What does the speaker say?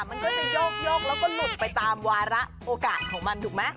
มันก็จะโยกแล้วก็หลุดไปตามวาระโอกาสของมันถูกไหม